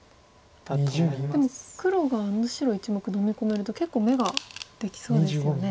でも黒があの白１目のみ込めると結構眼ができそうですよね。